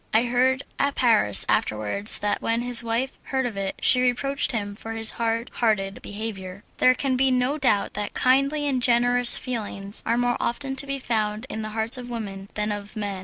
I heard at Paris afterwards that when his wife heard of it she reproached him for his hard hearted behaviour. There can be no doubt that kindly and generous feelings are more often to be found in the hearts of women than of men.